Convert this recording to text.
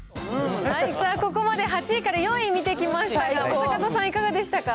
ここまで８位から４位、見てきましたけど、正門さん、いかがでしたか。